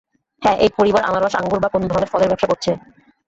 হ্যাঁ, এই পরিবার আনারস, আঙুর বা কোনো ধরনের ফলের ব্যবসা করছে।